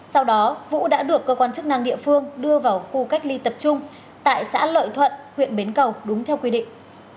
sau đó vũ đã được cơ quan chức năng địa phương đưa vào khu cách ly tập trung tại xã lợi thuận huyện bến cầu đúng theo quy định